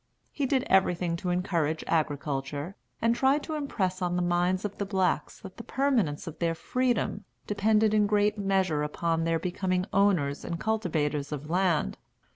He did everything to encourage agriculture, and tried to impress on the minds of the blacks that the permanence of their freedom depended in a great measure upon their becoming owners and cultivators of land.